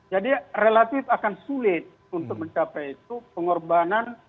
jadi relatif akan sulit untuk mencapai itu pengorbanan